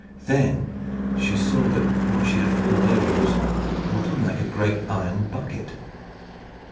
Then she saw that what she had fallen over was not unlike a great iron bucket.